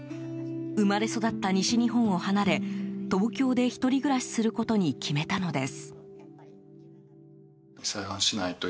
生まれ育った西日本を離れ東京で１人暮らしすることに決めたのです。